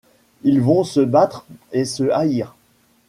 Ils vont se battre et se haïr.